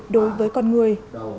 đối với con người